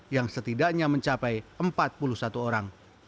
hanya mencapai empat puluh satu orang